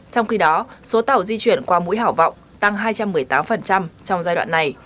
trong khi đó số tàu di chuyển qua mũi hảo vọng tăng hai trăm một mươi tám trong giai đoạn này